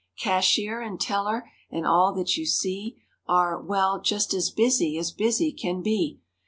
Cashier and teller and all that you see Are, well, just as busy as busy can be.